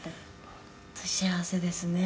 「本当幸せですね」